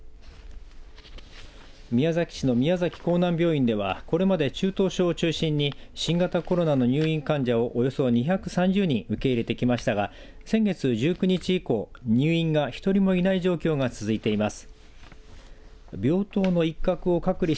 宮崎市の宮崎江南病院ではこれまで中等症を中心に新型コロナの入院患者をおよそ２３０人受け入れてきましたが先月１９日以降入院が１人もいない状況が続いています。